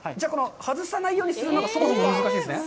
外さないようにするのがそもそも難しいんですね？